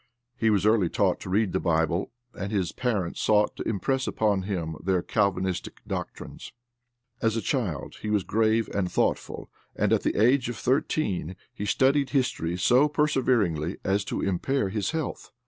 He was early taught to read the Bible, and his parents sought to impress upon him their Calvinistic doctrines. As a child he was grave and thoughtful, and at the age of thirteen he studied history so perseveringly as to impair his health.